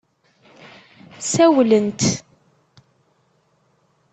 Sawlent.